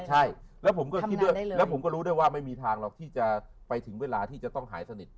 ใช่แล้วผมก็รู้ได้ว่าไม่มีทางที่จะไปถึงเวลาที่จะต้องหายสนิท